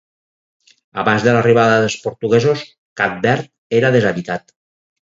Abans de l'arribada dels portuguesos, Cap Verd era deshabitat.